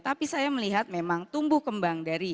tapi saya melihat memang tumbuh kembang dari